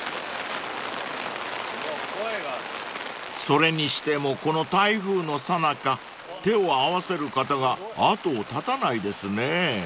［それにしてもこの台風のさなか手を合わせる方が後を絶たないですねぇ］